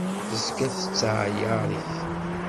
Tezga tettɛayaṛ-it.